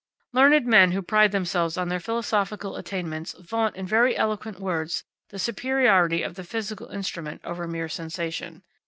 Learned men who pride themselves on their philosophical attainments vaunt in very eloquent words the superiority of the physical instrument over mere sensation.